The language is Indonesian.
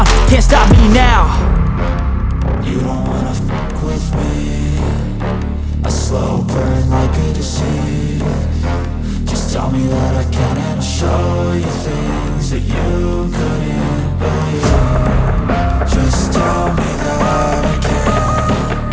ngapain berdiri disitu ayo tiduran